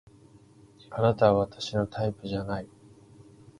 あなたは私のタイプじゃない